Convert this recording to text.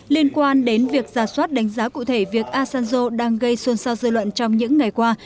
liên quan đến việc giả soát đánh giá cụ thể việc asanjo đang gây xuân sao dư luận trong những ngày qua